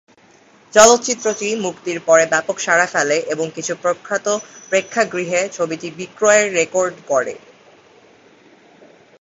চলচ্চিত্রটি মুক্তির পরে ব্যাপক সাড়া ফেলে এবং কিছু প্রখ্যাত প্রেক্ষাগৃহে ছবিটি বিক্রয়ের রেকর্ড গড়ে।